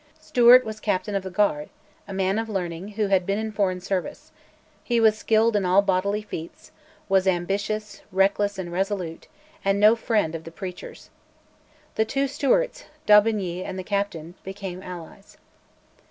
Stewart was Captain of the Guard, a man of learning, who had been in foreign service; he was skilled in all bodily feats, was ambitious, reckless, and resolute, and no friend of the preachers. The two Stewarts, d'Aubigny and the Captain, became allies.